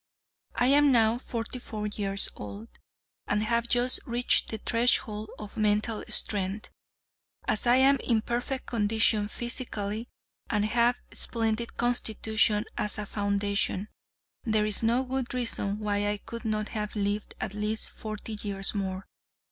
I am now forty four years old, and have just reached the threshold of mental strength. As I am in perfect condition physically, and have a splendid constitution as a foundation, there is no good reason why I could not have lived at least forty years more.